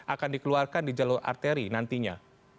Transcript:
akan dikeluarkan di jalur arteri nantinya